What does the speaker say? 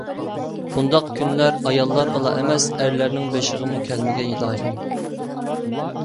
بۇنداق كۈنلەر ئاياللارغىلا ئەمەس، ئەرلەرنىڭ بېشىغىمۇ كەلمىگەي ئىلاھىم.